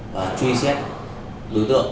và truy xét đối tượng